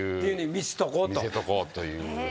見せとこうという感じで。